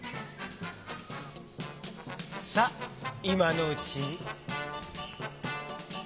さあいまのうち。